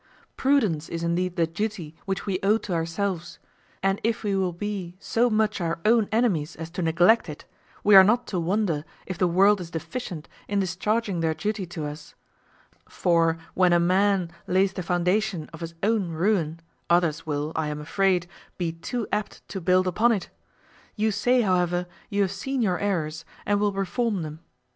Prudence is indeed the duty which we owe to ourselves; and if we will be so much our own enemies as to neglect it, we are not to wonder if the world is deficient in discharging their duty to us; for when a man lays the foundation of his own ruin, others will, I am afraid, be too apt to build upon it. You say, however, you have seen your errors, and will reform them.